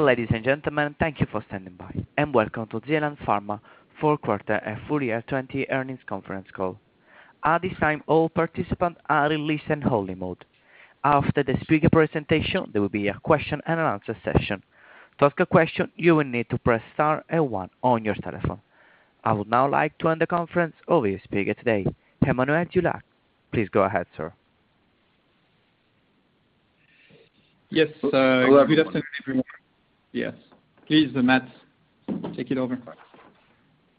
Ladies and gentlemen, thank you for standing by, and welcome to Zealand Pharma fourth quarter and full year 2020 earnings conference call. At this time all participants are in listen-only mode. After the speaker presentation, there will be a question-and-answer session. To ask a question, you will need to press star and one on your telephone. I would now like to hand the conference over to speaker today, Emmanuel Dulac. Please go ahead, sir. Yes, good afternoon, everyone. Yes. Please, Matt, take it over.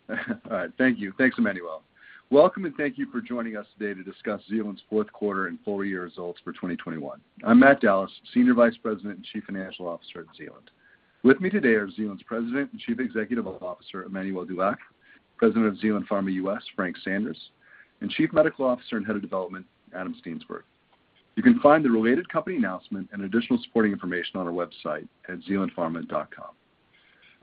All right. Thank you. Thanks, Emmanuel. Welcome and thank you for joining us today to discuss Zealand's fourth quarter and full year results for 2021. I'm Matt Dallas, Senior Vice President and Chief Financial Officer at Zealand. With me today are Zealand's President and Chief Executive Officer, Emmanuel Dulac, President of Zealand Pharma U.S., Frank Sanders, and Chief Medical Officer and Head of Development, Adam Steensberg. You can find the related company announcement and additional supporting information on our website at zealandpharma.com.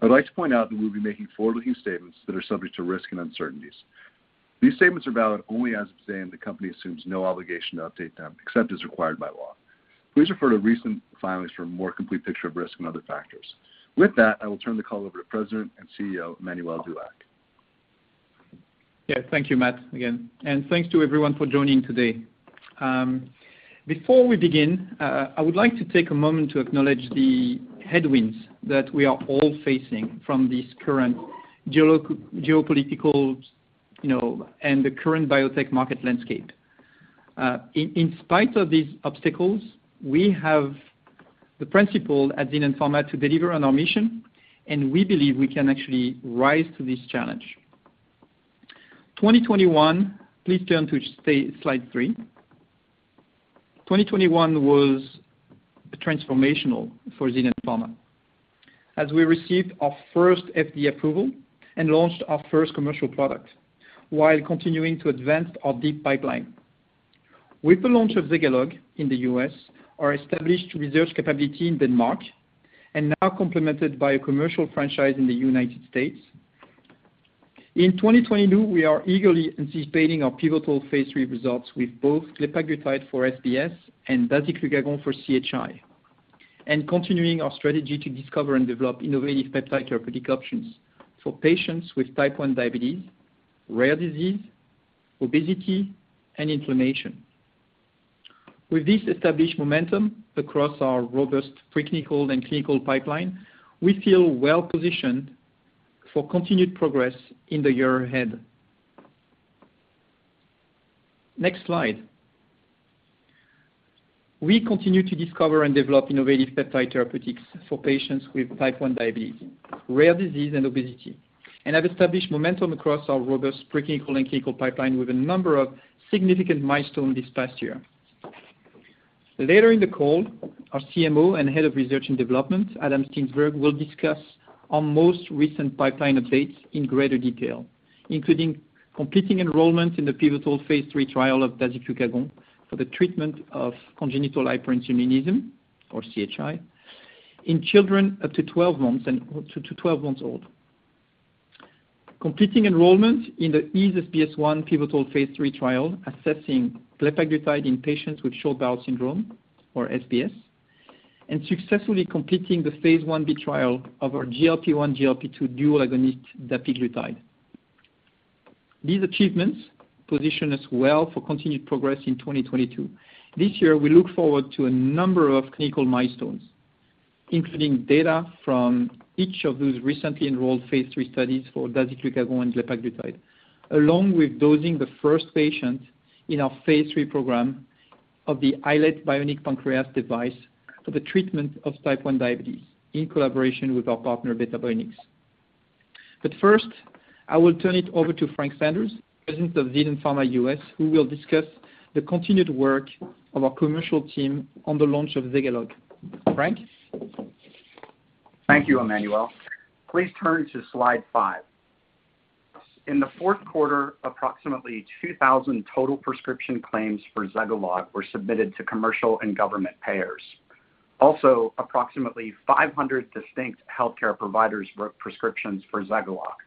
I'd like to point out that we'll be making forward-looking statements that are subject to risk and uncertainties. These statements are valid only as of today, and the company assumes no obligation to update them except as required by law. Please refer to recent filings for a more complete picture of risk and other factors. With that, I will turn the call over to President and CEO, Emmanuel Dulac. Yeah. Thank you, Matt, again, and thanks to everyone for joining today. Before we begin, I would like to take a moment to acknowledge the headwinds that we are all facing from this current geopolitical, you know, and the current biotech market landscape. In spite of these obstacles, we have the principle at Zealand Pharma to deliver on our mission, and we believe we can actually rise to this challenge. 2021, please turn to slide three. 2021 was transformational for Zealand Pharma as we received our first FDA approval and launched our first commercial product while continuing to advance our deep pipeline. With the launch of Zegalogue in the U.S., our established research capability in Denmark, and now complemented by a commercial franchise in the United States. In 2022, we are eagerly anticipating our pivotal phase III results with both glepaglutide for SBS and dasiglucagon for CHI, and continuing our strategy to discover and develop innovative peptide therapeutic options for patients with type 1 diabetes, rare disease, obesity and inflammation. With this established momentum across our robust preclinical and clinical pipeline, we feel well-positioned for continued progress in the year ahead. Next slide. We continue to discover and develop innovative peptide therapeutics for patients with type 1 diabetes, rare disease and obesity, and have established momentum across our robust preclinical and clinical pipeline with a number of significant milestones this past year. Later in the call, our CMO and Head of Research and Development, Adam Steensberg, will discuss our most recent pipeline updates in greater detail, including completing enrollment in the pivotal phase III trial of dasiglucagon for the treatment of congenital hyperinsulinism, or CHI, in children up to 12 months old, completing enrollment in the EASE-SBS 1 pivotal phase III trial, assessing glepaglutide in patients with short bowel syndrome or SBS, and successfully completing the phase Ib trial of our GLP-1/GLP-2 dual agonist dapiglutide. These achievements position us well for continued progress in 2022. This year, we look forward to a number of clinical milestones, including data from each of those recently enrolled phase III studies for dasiglucagon and glepaglutide, along with dosing the first patient in our phase III program of the iLet bionic pancreas device for the treatment of type 1 diabetes in collaboration with our partner, Beta Bionics. First, I will turn it over to Frank Sanders, President of Zealand Pharma U.S., who will discuss the continued work of our commercial team on the launch of Zegalogue. Frank? Thank you, Emmanuel. Please turn to slide five. In the fourth quarter, approximately 2,000 total prescription claims for Zegalogue were submitted to commercial and government payers. Also, approximately 500 distinct healthcare providers wrote prescriptions for Zegalogue.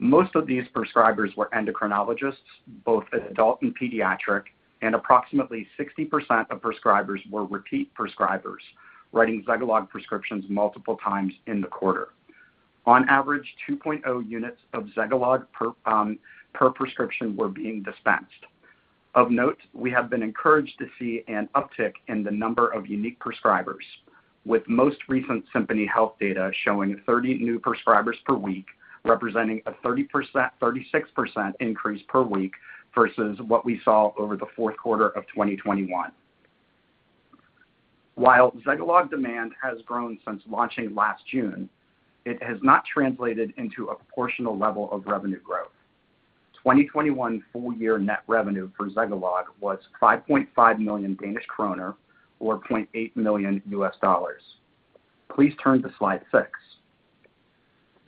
Most of these prescribers were endocrinologists, both adult and pediatric, and approximately 60% of prescribers were repeat prescribers, writing Zegalogue prescriptions multiple times in the quarter. On average, 2.0 units of Zegalogue per prescription were being dispensed. Of note, we have been encouraged to see an uptick in the number of unique prescribers, with most recent Symphony Health data showing 30 new prescribers per week, representing a 36% increase per week versus what we saw over the fourth quarter of 2021. While Zegalogue demand has grown since launching last June, it has not translated into a proportional level of revenue growth. 2021 full year net revenue for Zegalogue was 5.5 million Danish kroner or $0.8 million. Please turn to slide six.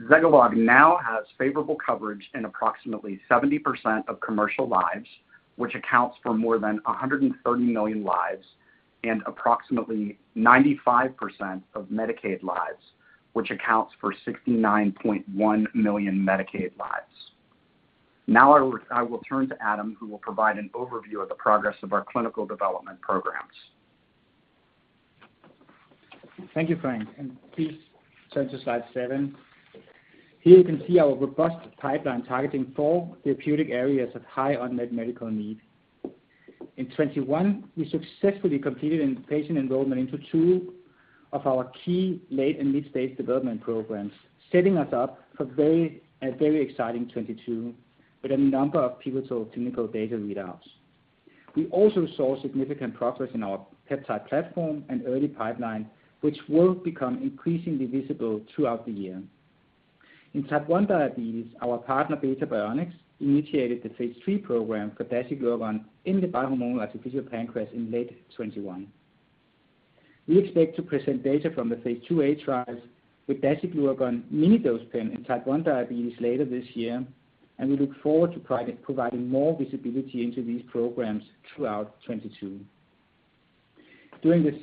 Zegalogue now has favorable coverage in approximately 70% of commercial lives, which accounts for more than 130 million lives, and approximately 95% of Medicaid lives, which accounts for 69.1 million Medicaid lives. Now I will turn to Adam, who will provide an overview of the progress of our clinical development programs. Thank you, Frank, and please turn to slide seven. Here you can see our robust pipeline targeting four therapeutic areas of high unmet medical need. In 2021, we successfully completed inpatient enrollment into two of our key late- and mid-stage development programs, setting us up for a very exciting 2022, with a number of pivotal clinical data readouts. We also saw significant progress in our peptide platform and early pipeline, which will become increasingly visible throughout the year. In type 1 diabetes, our partner Beta Bionics initiated the phase III program for dasiglucagon in the biohormonal artificial pancreas in late 2021. We expect to present data from the phase II A trials with dasiglucagon minidose pen in type 1 diabetes later this year, and we look forward to providing more visibility into these programs throughout 2022. During the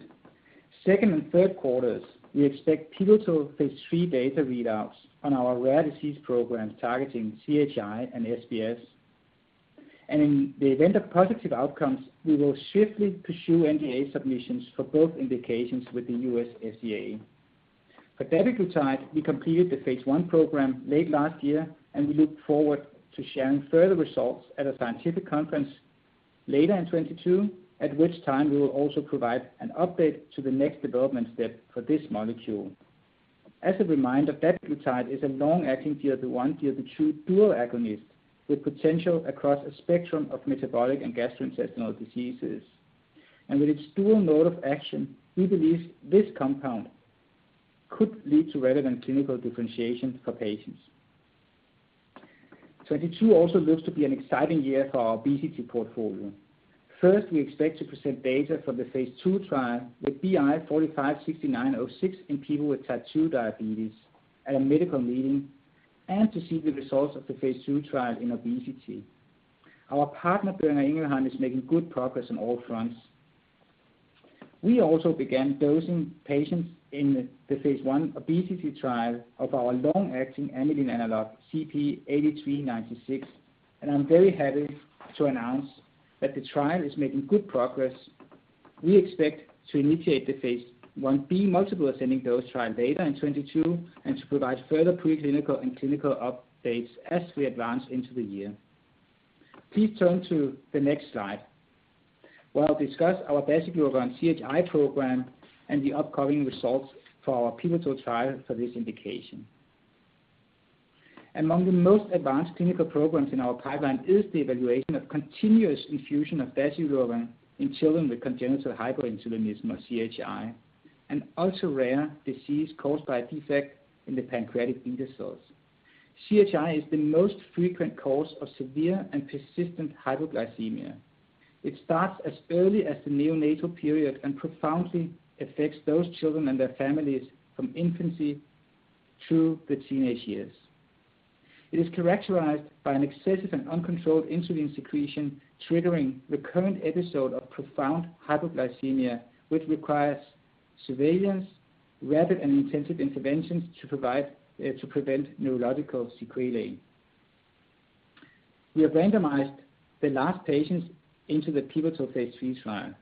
second and third quarters, we expect pivotal phase III data readouts on our rare disease programs targeting CHI and SBS. In the event of positive outcomes, we will swiftly pursue NDA submissions for both indications with the U.S. FDA. For dapiglutide, we completed the phase I program late last year, and we look forward to sharing further results at a scientific conference later in 2022, at which time we will also provide an update to the next development step for this molecule. As a reminder, dapiglutide is a long-acting GLP-1, GLP-2 dual agonist with potential across a spectrum of metabolic and gastrointestinal diseases. With its dual mode of action, we believe this compound could lead to relevant clinical differentiation for patients. 2022 also looks to be an exciting year for our obesity portfolio. First, we expect to present data from the phase II trial with BI 456906 in people with type 2 diabetes at a medical meeting, and to see the results of the phase II trial in obesity. Our partner, Boehringer Ingelheim, is making good progress on all fronts. We also began dosing patients in the phase I obesity trial of our long-acting amylin analog ZP8396, and I'm very happy to announce that the trial is making good progress. We expect to initiate the phase I-B multiple ascending-dose trial later in 2022, and to provide further pre-clinical and clinical updates as we advance into the year. Please turn to the next slide. We'll discuss our dasiglucagon CHI program and the upcoming results for our pivotal trial for this indication. Among the most advanced clinical programs in our pipeline is the evaluation of continuous infusion of dasiglucagon in children with congenital hyperinsulinism, or CHI, an ultra-rare disease caused by a defect in the pancreatic beta cells. CHI is the most frequent cause of severe and persistent hypoglycemia. It starts as early as the neonatal period and profoundly affects those children and their families from infancy through the teenage years. It is characterized by an excessive and uncontrolled insulin secretion, triggering recurrent episode of profound hypoglycemia, which requires surveillance, rapid and intensive interventions to provide, to prevent neurological sequelae. We have randomized the last patients into the pivotal phase III trial.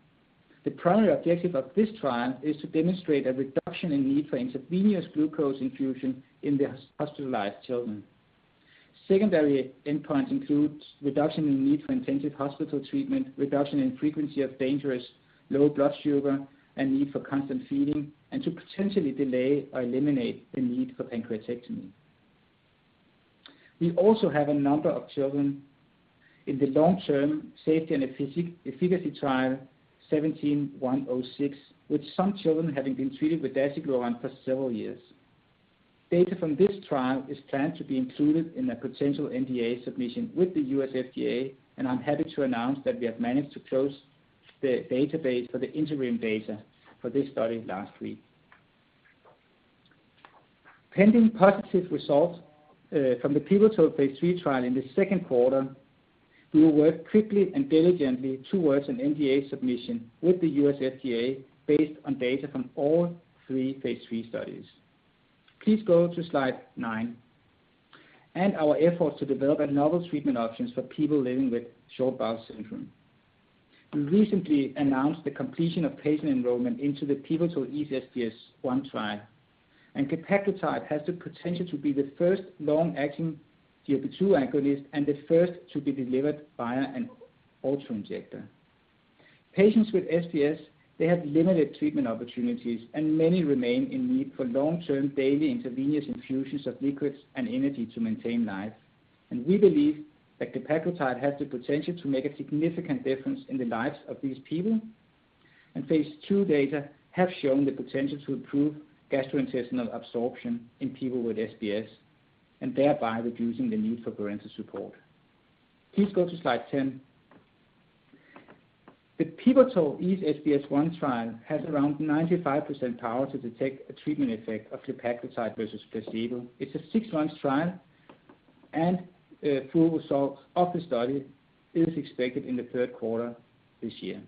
The primary objective of this trial is to demonstrate a reduction in need for intravenous glucose infusion in the hospitalized children. Secondary endpoints includes reduction in need for intensive hospital treatment, reduction in frequency of dangerous low blood sugar, and need for constant feeding, and to potentially delay or eliminate the need for pancreatectomy. We also have a number of children in the long-term safety and efficacy trial 17106, with some children having been treated with dasiglucagon for several years. Data from this trial is planned to be included in a potential NDA submission with the U.S. FDA, and I'm happy to announce that we have managed to close the database for the interim data for this study last week. Pending positive results from the pivotal phase III trial in the second quarter, we will work quickly and diligently towards an NDA submission with the U.S. FDA based on data from all three phase III studies. Please go to slide nine. Our efforts to develop a novel treatment options for people living with short bowel syndrome. We recently announced the completion of patient enrollment into the pivotal EASE-SBS 1 trial. Glepaglutide has the potential to be the first long-acting GLP-2 agonist, and the first to be delivered via an auto-injector. Patients with SBS, they have limited treatment opportunities, and many remain in need for long-term daily intravenous infusions of liquids and energy to maintain life. We believe that glepaglutide has the potential to make a significant difference in the lives of these people. Phase II data have shown the potential to improve gastrointestinal absorption in people with SBS, and thereby reducing the need for parenteral support. Please go to slide 10. The pivotal EASE-SBS 1 trial has around 95% power to detect a treatment effect of glepaglutide versus placebo. It's a six-month trial, and full results of the study is expected in the third quarter this year.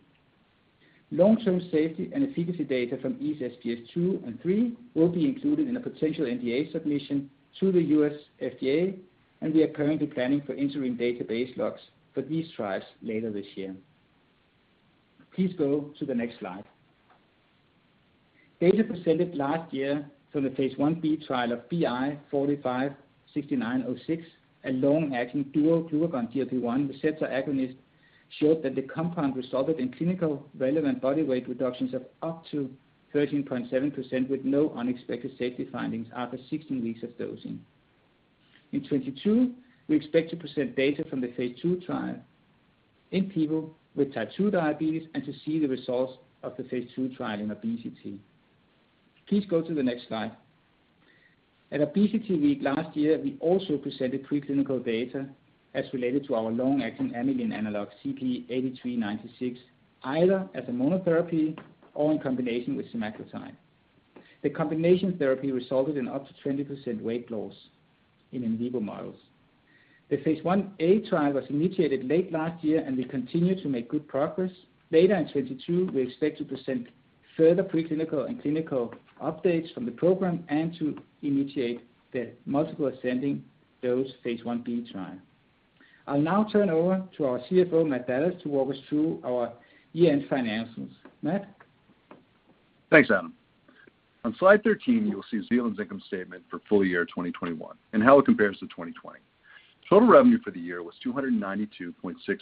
Long-term safety and efficacy data from EASE SBS 2 and 3 will be included in a potential NDA submission to the U.S. FDA, and we are currently planning for interim database locks for these trials later this year. Please go to the next slide. Data presented last year from the phase I-B trial of BI 456906, a long-acting dual glucagon/GLP-1 receptor agonist, showed that the compound resulted in clinically relevant body weight reductions of up to 13.7% with no unexpected safety findings after 16 weeks of dosing. In 2022, we expect to present data from the phase II trial in people with type 2 diabetes and to see the results of the phase II trial in obesity. Please go to the next slide. At ObesityWeek last year, we also presented preclinical data as related to our long-acting amylin analog ZP8396, either as a monotherapy or in combination with semaglutide. The combination therapy resulted in up to 20% weight loss in vivo models. The phase I A trial was initiated late last year, and we continue to make good progress. Later in 2022, we expect to present further preclinical and clinical updates from the program and to initiate the multiple ascending-dose phase I B trial. I'll now turn over to our CFO, Matt Dallas, to walk us through our year-end financials. Matt? Thanks, Adam. On slide 13, you will see Zealand's income statement for full year 2021 and how it compares to 2020. Total revenue for the year was 292.6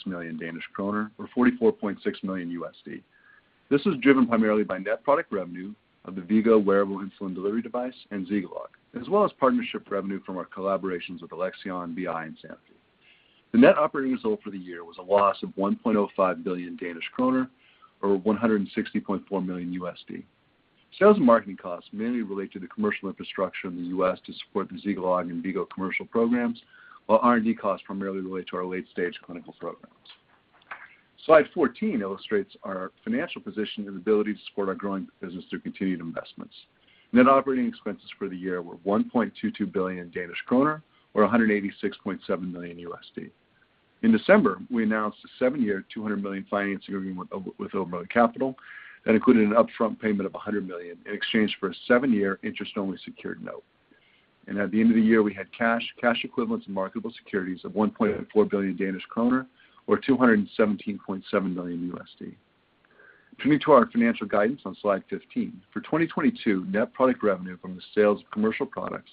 million Danish kroner, or $44.6 million. This is driven primarily by net product revenue of the V-Go wearable insulin delivery device and Zegalogue, as well as partnership revenue from our collaborations with Alexion, BI, and Sanofi. The net operating result for the year was a loss of 1.05 billion Danish kroner, or $160.4 million. Sales and marketing costs mainly relate to the commercial infrastructure in the U.S. to support the Zegalogue and V-Go commercial programs, while R&D costs primarily relate to our late-stage clinical programs. Slide 14 illustrates our financial position and ability to support our growing business through continued investments. Net operating expenses for the year were 1.22 billion Danish kroner, or $186.7 million. In December, we announced a seven-year, $200 million financing agreement with Oberland Capital that included an upfront payment of $100 million in exchange for a seven-year interest-only secured note. At the end of the year, we had cash equivalents, and marketable securities of 1.4 billion Danish kroner, or $217.7 million. Turning to our financial guidance on slide 15. For 2022, net product revenue from the sales of commercial products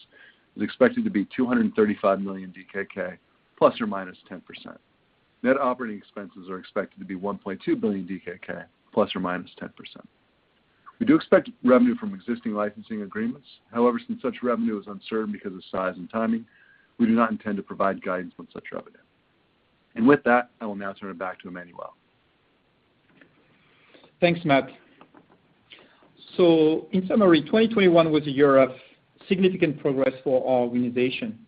is expected to be 235 million DKK, ±10%. Net operating expenses are expected to be 1.2 billion DKK, ±10%. We do expect revenue from existing licensing agreements. However, since such revenue is uncertain because of size and timing, we do not intend to provide guidance on such revenue. With that, I will now turn it back to Emmanuel. Thanks, Matt. In summary, 2021 was a year of significant progress for our organization.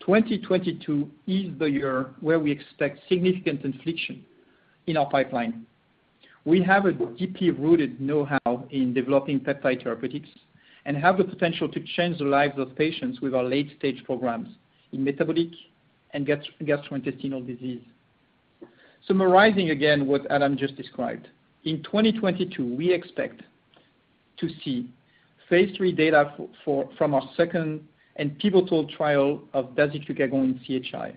2022 is the year where we expect significant inflection in our pipeline. We have a deeply rooted know-how in developing peptide therapeutics and have the potential to change the lives of patients with our late-stage programs in metabolic and gastrointestinal disease. Summarizing again what Adam just described, in 2022, we expect to see phase III data from our second and pivotal trial of dasiglucagon in CHI.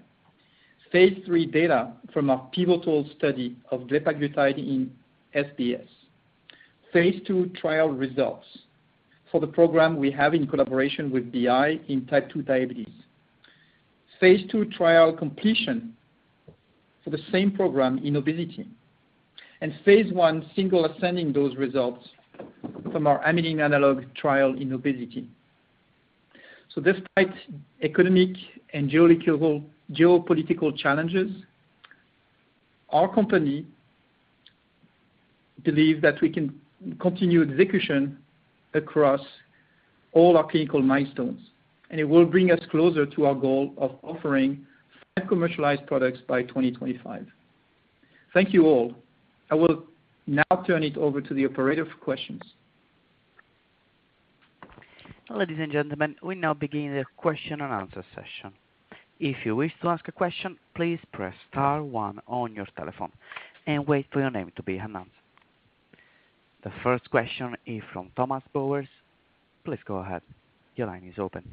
Phase III data from our pivotal study of glepaglutide in SBS. Phase II trial results for the program we have in collaboration with BI in type 2 diabetes. Phase II trial completion for the same program in obesity. Phase I single ascending dose results from our amylin analog trial in obesity. Despite economic and geopolitical challenges, our company believe that we can continue execution across all our clinical milestones, and it will bring us closer to our goal of offering five commercialized products by 2025. Thank you all. I will now turn it over to the operator for questions. Ladies and gentlemen, we now begin the question and answer session. If you wish to ask a question, please press star one on your telephone and wait for your name to be announced. The first question is from Thomas Bowers. Please go ahead. Your line is open.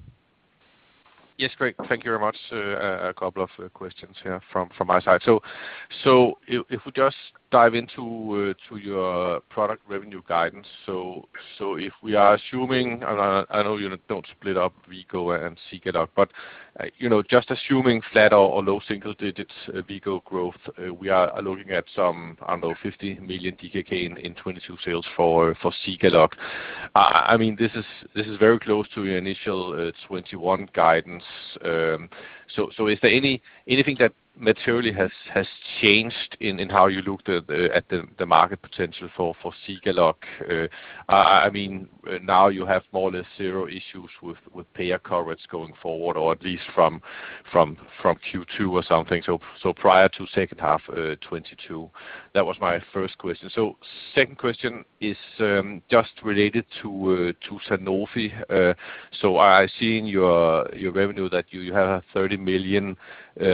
Yes, great. Thank you very much. A couple of questions here from my side. If we just dive into your product revenue guidance. If we are assuming, and I know you don't split up V-Go and Zegalogue, but you know, just assuming flat or low single digits V-Go growth, we are looking at some, I don't know, 50 million DKK in 2022 sales for Zegalogue. I mean, this is very close to your initial 2021 guidance. Is there anything that materially has changed in how you look at the market potential for Zegalogue? I mean, now you have more or less zero issues with payer coverage going forward or at least from Q2 or something. Prior to second half, 2022. That was my first question. Second question is just related to Sanofi. I've seen your revenue that you have 30 million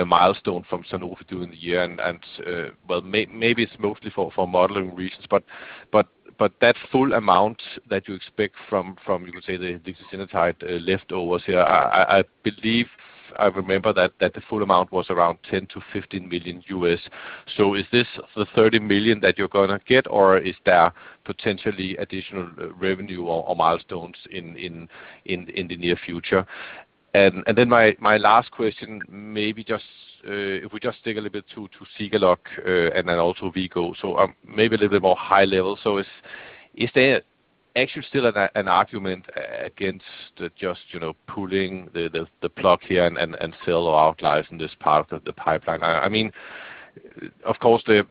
milestone from Sanofi during the year. And maybe it's mostly for modeling reasons, but that full amount that you expect from, you could say the lixisenatide leftovers here, I believe I remember that the full amount was around $10 million-$15 million. Is this the thirty million that you're gonna get, or is there potentially additional revenue or milestones in the near future? My last question maybe just if we just dig a little bit to Zegalogue and then also V-Go. Maybe a little bit more high level. Is there actually still an argument against just, you know, pulling the plug here and out license in this part of the pipeline? I mean, of course, the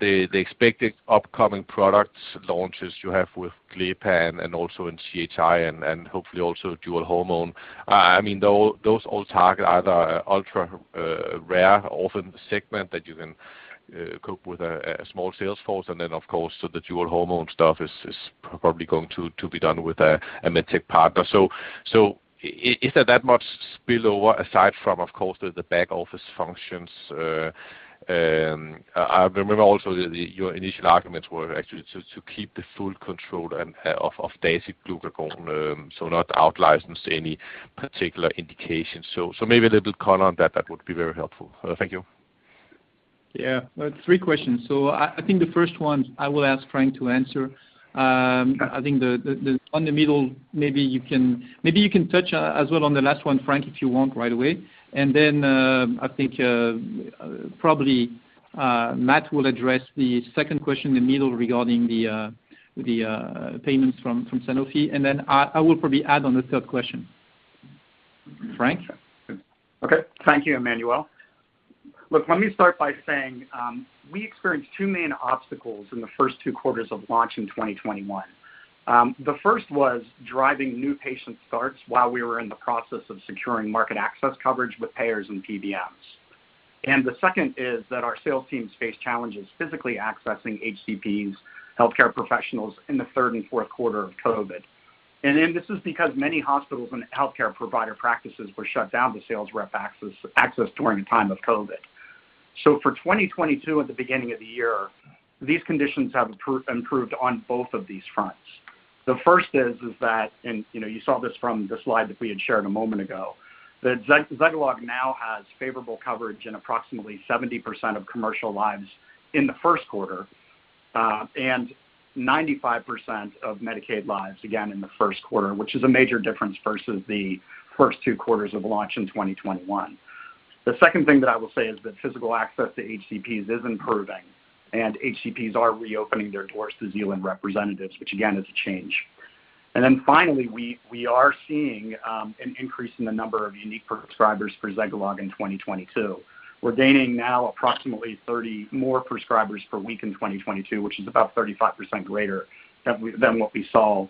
expected upcoming product launches you have with glepaglutide and also in CHI and hopefully also dual hormone. I mean, though those all target either ultra rare orphan segment that you can cope with a small sales force. Of course, the dual hormone stuff is probably going to be done with a med tech partner. Is there that much spillover aside from, of course, the back office functions? I remember also that your initial arguments were actually to keep full control of dasiglucagon, so not out-license any particular indications. Maybe a little color on that would be very helpful. Thank you. Yeah. Three questions. I think the first one I will ask Frank to answer. Okay. I think on the middle, maybe you can touch as well on the last one, Frank, if you want, right away. I think probably Matt will address the second question, the middle regarding the payments from Sanofi. I will probably add on the third question. Frank? Okay. Thank you, Emmanuel. Look, let me start by saying, we experienced two main obstacles in the first two quarters of launch in 2021. The first was driving new patient starts while we were in the process of securing market access coverage with payers and PBMs. The second is that our sales teams face challenges physically accessing HCPs, healthcare professionals in the third and fourth quarter of COVID. This is because many hospitals and healthcare provider practices were shut down to sales rep access during the time of COVID. For 2022 at the beginning of the year, these conditions have improved on both of these fronts. The first is that, and, you know, you saw this from the slide that we had shared a moment ago. The Zegalogue now has favorable coverage in approximately 70% of commercial lives in the first quarter and 95% of Medicaid lives, again, in the first quarter, which is a major difference versus the first two quarters of launch in 2021. The second thing that I will say is that physical access to HCPs is improving, and HCPs are reopening their doors to Zealand representatives, which again, is a change. Finally, we are seeing an increase in the number of unique prescribers for Zegalogue in 2022. We're gaining now approximately 30 more prescribers per week in 2022, which is about 35% greater than what we saw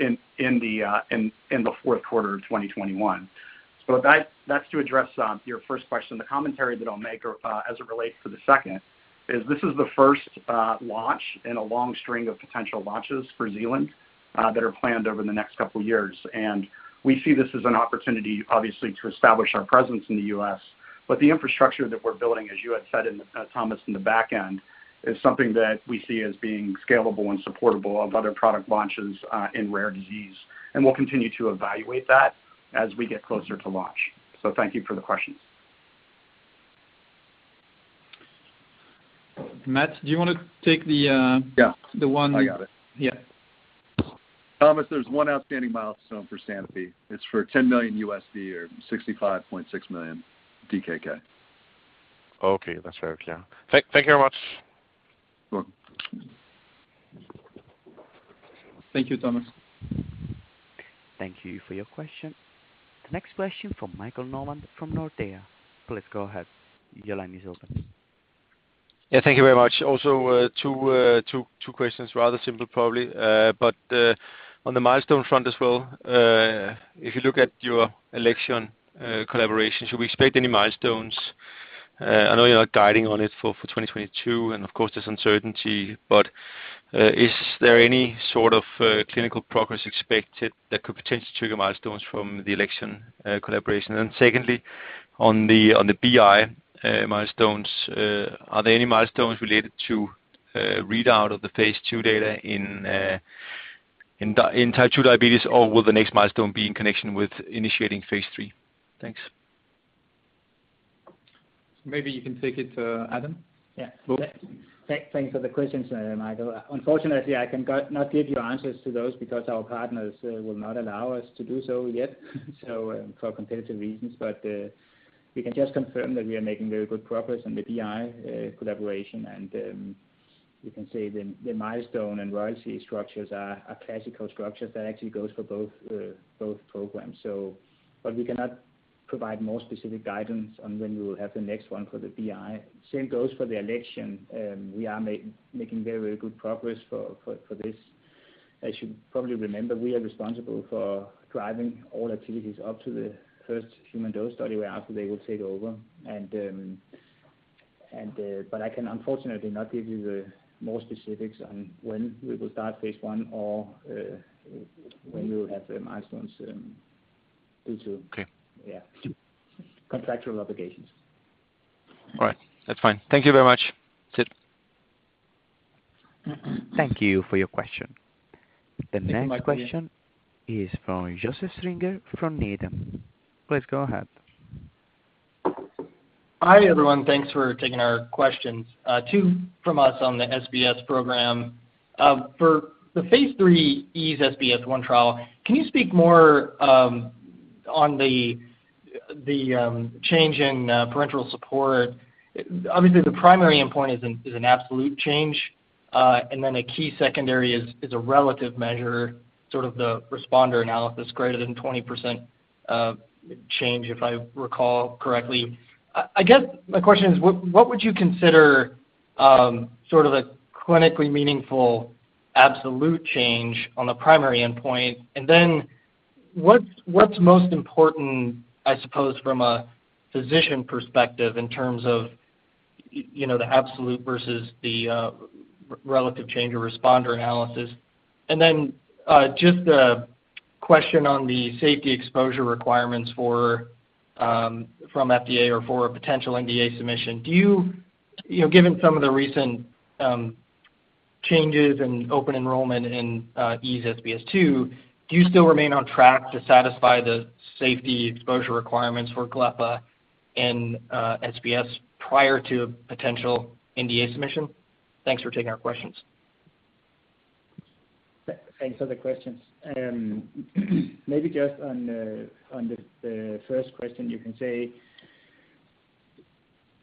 in the fourth quarter of 2021. That's to address your first question. The commentary that I'll make or, as it relates to the second is this is the first launch in a long string of potential launches for Zealand that are planned over the next couple of years. We see this as an opportunity, obviously, to establish our presence in the U.S. The infrastructure that we're building, as you had said in the, Thomas, in the back end, is something that we see as being scalable and supportable of other product launches in rare disease. We'll continue to evaluate that as we get closer to launch. Thank you for the question. Matt, do you wanna take the- Yeah. The one- I got it. Yeah. Thomas, there's one outstanding milestone for Sanofi. It's for $10 million or 65.6 million DKK. Okay. That's right. Yeah. Thank you very much. You're welcome. Thank you, Thomas. Thank you for your question. The next question from Michael Novod from Nordea. Please go ahead. Your line is open. Yeah. Thank you very much. Also, two questions, rather simple, probably. On the milestone front as well, if you look at your Alexion collaboration, should we expect any milestones? I know you're not guiding on it for 2022, and of course there's uncertainty, but is there any sort of clinical progress expected that could potentially trigger milestones from the Alexion collaboration? And secondly, on the BI milestones, are there any milestones related to readout of the phase II data in type 2 diabetes, or will the next milestone be in connection with initiating phase III? Thanks. Maybe you can take it, Adam. Thanks for the questions, Michael. Unfortunately, I cannot give you answers to those because our partners will not allow us to do so yet, for competitive reasons. We can just confirm that we are making very good progress in the BI collaboration. We can say the milestone and royalty structures are classical structures that actually goes for both programs. We cannot provide more specific guidance on when we will have the next one for the BI. Same goes for the Alexion. We are making very good progress for this. As you probably remember, we are responsible for driving all activities up to the first human dose study, whereafter they will take over. I can unfortunately not give you the more specifics on when we will start phase I or when we will have the milestones due to- Okay. Yeah. Contractual obligations. All right. That's fine. Thank you very much. That's it. Thank you for your question. The next question is from Joseph Stringer from Needham. Please go ahead. Hi, everyone. Thanks for taking our questions. Two from us on the SBS program. For the phase III EASE SBS 1 trial, can you speak more on the change in parenteral support? Obviously, the primary endpoint is an absolute change, and then a key secondary is a relative measure, sort of the responder analysis greater than 20% of change, if I recall correctly. I guess my question is: what would you consider sort of a clinically meaningful absolute change on the primary endpoint? And then what's most important, I suppose, from a physician perspective in terms of you know, the absolute versus the relative change or responder analysis? And then just a question on the safety exposure requirements from FDA or for a potential NDA submission. Do you... You know, given some of the recent changes in open enrollment in EASE SBS 2, do you still remain on track to satisfy the safety exposure requirements for glepaglutide in SBS prior to a potential NDA submission? Thanks for taking our questions. Thanks for the questions. Maybe just on the first question, you can say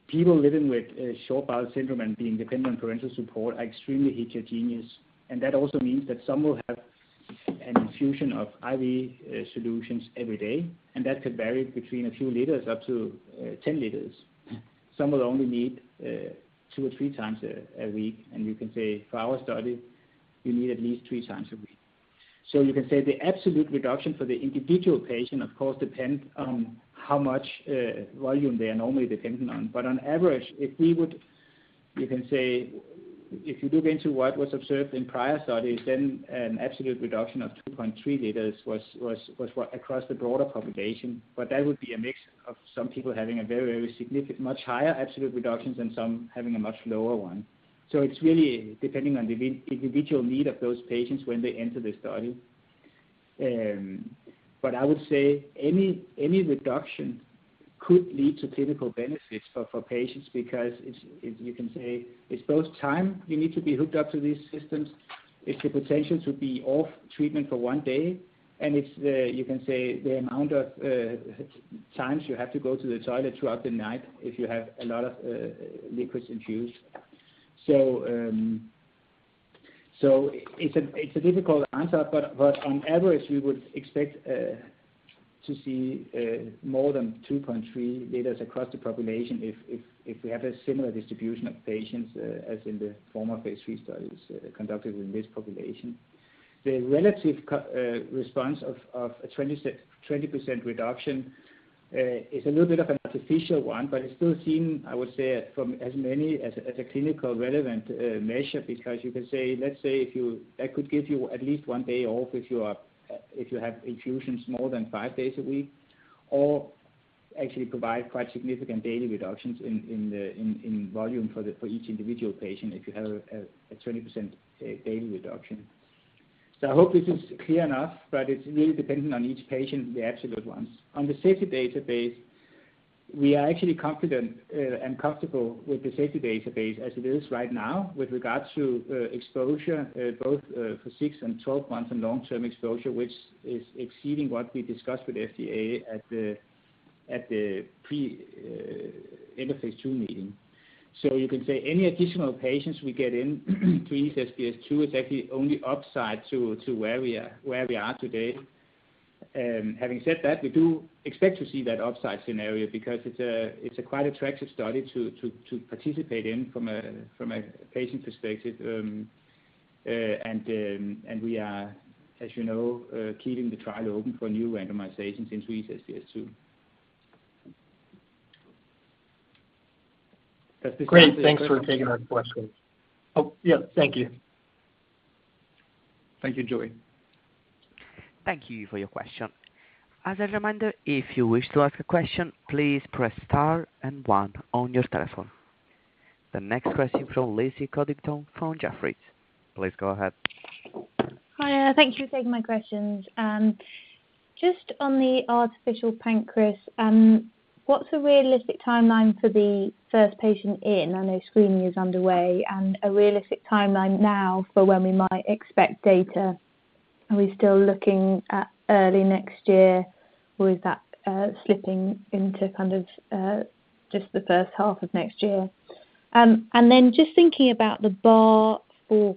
people living with short bowel syndrome and being dependent on parenteral support are extremely heterogeneous, and that also means that some will have an infusion of IV solutions every day, and that could vary between a few liters up to 10 liters. Some will only need two or three times a week, and you can say for our study, you need at least three times a week. You can say the absolute reduction for the individual patient of course depends on how much volume they are normally dependent on. But on average, you can say if you look into what was observed in prior studies, then an absolute reduction of 2.3 liters was what across the broader population. That would be a mix of some people having a very significant, much higher absolute reductions and some having a much lower one. It's really depending on the individual need of those patients when they enter the study. I would say any reduction could lead to clinical benefits for patients because it's You can say it's both time you need to be hooked up to these systems. It's the potential to be off treatment for one day, and it's the, you can say, the amount of times you have to go to the toilet throughout the night if you have a lot of liquids infused. It's a difficult answer, but on average, we would expect to see more than 2.3 liters across the population if we have a similar distribution of patients as in the former phase III studies conducted with this population. The relative response of a 20% reduction is a little bit of an artificial one, but it's still seen, I would say, from as many as a clinically relevant measure. Because you can say, let's say if you... That could give you at least one day off if you are, if you have infusions more than five days a week, or actually provide quite significant daily reductions in the volume for each individual patient if you have a 20% daily reduction. I hope this is clear enough, but it's really dependent on each patient, the absolute ones. On the safety database, we are actually confident and comfortable with the safety database as it is right now with regards to exposure, both for six and 12 months and long-term exposure, which is exceeding what we discussed with FDA at the pre-end-of-phase II meeting. You can say any additional patients we get into EASE SBS 2 is actually only upside to where we are today. Having said that, we do expect to see that upside scenario because it's a quite attractive study to participate in from a patient perspective. We are, as you know, keeping the trial open for new randomizations into EASE SBS 2. Does this answer your question? Great. Thanks for taking our questions. Oh, yeah. Thank you. Thank you, Joseph. Thank you for your question. As a reminder, if you wish to ask a question, please press star and one on your telephone. The next question from Lucy Codrington from Jefferies. Please go ahead. Hi, thank you for taking my questions. Just on the artificial pancreas, what's a realistic timeline for the first patient in? I know screening is underway and a realistic timeline now for when we might expect data. Are we still looking at early next year or is that slipping into kind of just the first half of next year? Just thinking about the bar for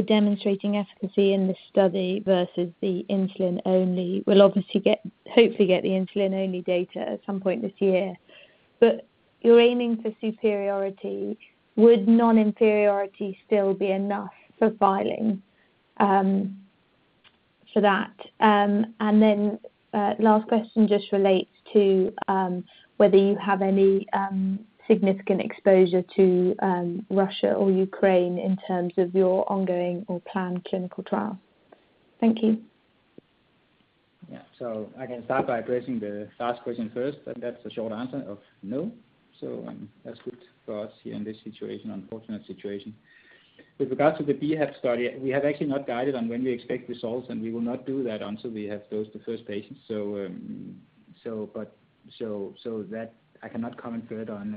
demonstrating efficacy in this study versus the insulin only. We'll obviously, hopefully get the insulin-only data at some point this year, but you're aiming for superiority. Would non-inferiority still be enough for filing for that? Last question just relates to whether you have any significant exposure to Russia or Ukraine in terms of your ongoing or planned clinical trials. Thank you. Yeah. I can start by addressing the last question first, and that's a short answer of no. That's good for us here in this unfortunate situation. With regards to the BHAP study, we have actually not guided on when we expect results, and we will not do that until we have those first patients, that I cannot comment further on.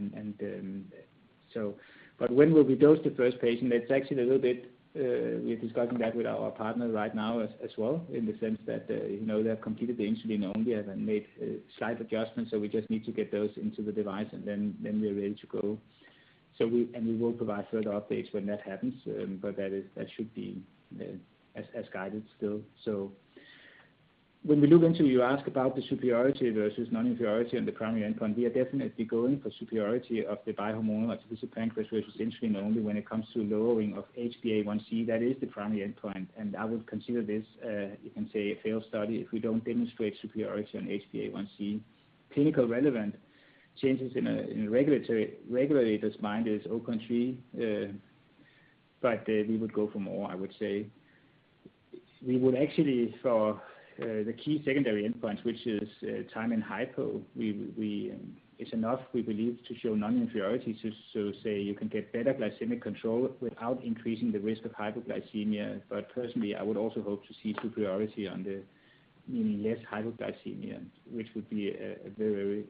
When will we dose the first patient? It's actually a little bit, we're discussing that with our partner right now as well, in the sense that, you know, they have completed the insulin only and made slight adjustments. We just need to get those into the device, and then we're ready to go. We will provide further updates when that happens. That should be as guided still. When you ask about the superiority versus non-inferiority on the primary endpoint, we are definitely going for superiority of the bihormonal artificial pancreas versus insulin only when it comes to lowering of HbA1c. That is the primary endpoint. I would consider this, you can say, a failed study if we don't demonstrate superiority on HbA1c. Clinically relevant changes in a regulator's mind is open, truly, but we would go for more, I would say. We would actually for the key secondary endpoints, which is time in hypo. It's enough, we believe, to show non-inferiority, so, say you can get better glycemic control without increasing the risk of hypoglycemia. Personally, I would also hope to see superiority on the mean, less hypoglycemia, which would be a very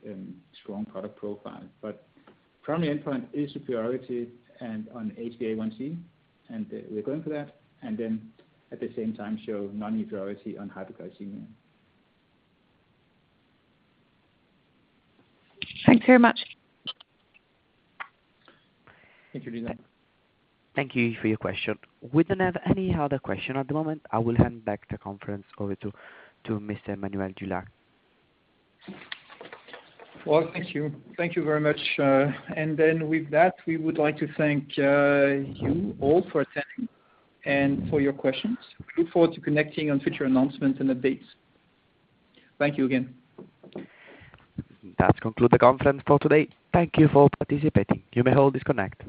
strong product profile. Primary endpoint is superiority on HbA1c, and we're going for that, and then at the same time show non-inferiority on hypoglycemia. Thanks very much. Thank you, Lisa. Thank you for your question. We don't have any other question at the moment. I will hand back the conference over to Mr. Emmanuel Dulac. Well, thank you. Thank you very much. With that, we would like to thank you all for attending and for your questions. We look forward to connecting on future announcements and updates. Thank you again. That concludes the conference for today. Thank you for participating. You may all disconnect.